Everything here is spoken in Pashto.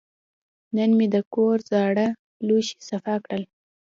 نن مې د کور زاړه لوښي صفا کړل.